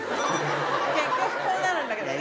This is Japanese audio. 結局こうなるんだけどね。